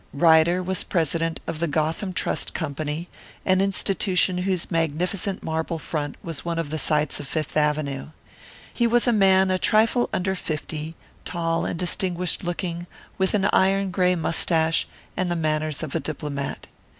Ryder was president of the Gotham Trust Company, an institution whose magnificent marble front was one of the sights of Fifth Avenue. He was a man a trifle under fifty, tall and distinguished looking, with an iron grey mustache, and the manners of a diplomat.